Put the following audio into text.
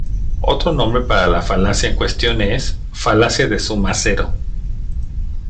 Otro nombre para la falacia en cuestión es "falacia de suma cero".